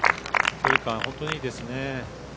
距離感本当にいいですね。